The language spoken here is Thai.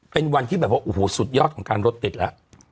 เป็นวันที่แบบว่าโอ้โหสุดยอดของการรถติดแล้ว